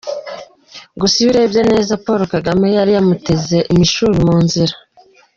Gusa iyo urebye neza Paul Kagame yari yamuteze imishubi mu nzira.